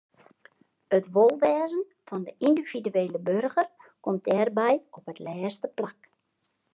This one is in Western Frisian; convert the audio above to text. It wolwêzen fan de yndividuele boarger komt dêrby op it lêste plak.